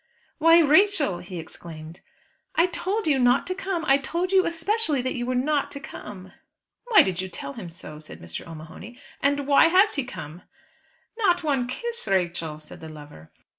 "Why, Rachel!" he exclaimed. "I told you not to come. I told you especially that you were not to come." "Why did you tell him so?" said Mr. O'Mahony; "and why has he come?" "Not one kiss, Rachel?" said the lover.